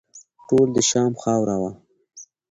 ټول د شام خاوره وه.